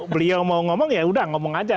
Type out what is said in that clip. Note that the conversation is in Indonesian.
beliau mau ngomong yaudah ngomong aja